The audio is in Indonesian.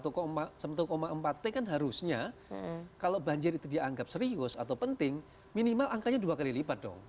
satu empat t kan harusnya kalau banjir itu dianggap serius atau penting minimal angkanya dua kali lipat dong